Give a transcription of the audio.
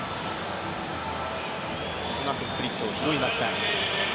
うまくスプリットを拾いました。